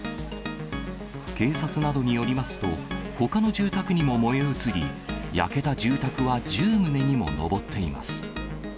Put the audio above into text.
警察などによりますと、ほかの住宅にも燃え移り、焼けた住宅は１０棟にも上っています。